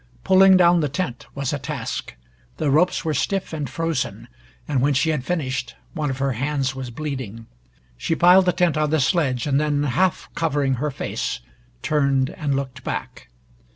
Pulling down the tent was a task. The ropes were stiff and frozen, and when she had finished, one of her hands was bleeding. She piled the tent on the sledge, and then, half, covering her face, turned and looked back.